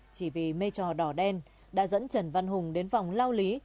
chỉ vì mê trò đỏ đen đã dẫn trần văn hùng đến vòng lao lý